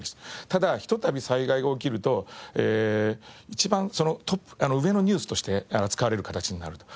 ただひとたび災害が起きると一番その上のニュースとして扱われる形になると。